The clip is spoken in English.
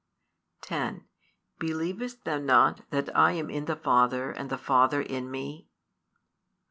10 Believest thou not that I am in the Father and the Father in Me?